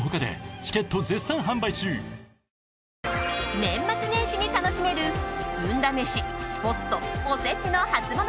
年末年始に楽しめる運試し、スポット、おせちのハツモノ